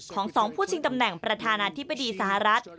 ๒ผู้ชิงตำแหน่งประธานาธิบดีสหรัฐ